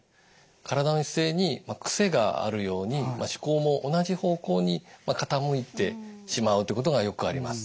体の姿勢に癖があるように思考も同じ方向に傾いてしまうということがよくあります。